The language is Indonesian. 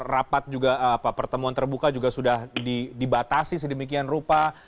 rapat juga pertemuan terbuka juga sudah dibatasi sedemikian rupa